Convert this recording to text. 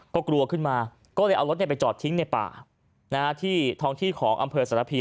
ก็กลัวขึ้นมาก็เลยเอารถไปจอดทิ้งในป่าที่ท้องที่ของอำเภอสรพี